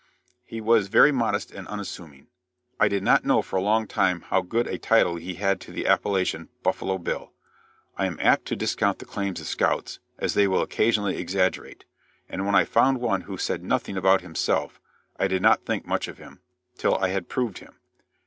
"He was very modest and unassuming. I did not know for a long time how good a title he had to the appellation, 'Buffalo Bill.' I am apt to discount the claims of scouts, as they will occasionally exaggerate; and when I found one who said nothing about himself, I did not think much of him, till I had proved him.